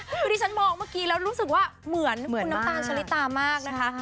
คือที่ฉันมองเมื่อกี้แล้วรู้สึกว่าเหมือนคุณน้ำตาลชะลิตามากนะคะ